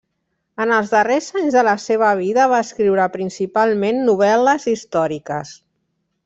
En els darrers anys de la seva vida va escriure principalment novel·les històriques.